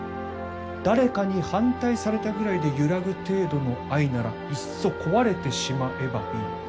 誰かに反対されたぐらいで揺らぐ程度の愛ならいっそ壊れてしまえばいい。